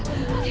naik nafas dulu